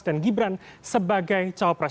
dan gibran sebagai caopres